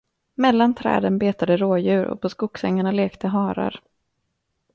Mellan träden betade rådjur och på skogsängarna lekte harar.